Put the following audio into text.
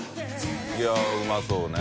い筺舛うまそうね。